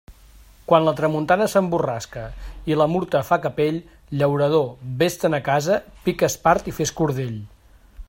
Quan la tramuntana s'emborrasca i la Murta fa capell, llaurador, vés-te'n a casa, pica espart i fes cordell.